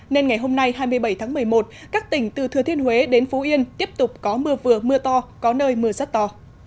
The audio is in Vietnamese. nên ngày hôm nay hai mươi bảy tháng một mươi một các tỉnh từ thừa thiên huế đến phú yên tiếp tục có mưa vừa mưa to có nơi mưa rất to